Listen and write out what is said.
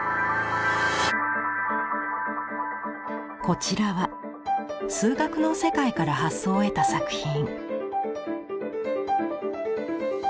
こちらは数学の世界から発想を得た作品。